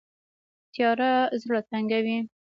تیاره زړه تنګوي